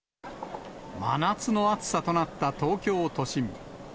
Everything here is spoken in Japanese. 真夏の暑さとなった東京都心。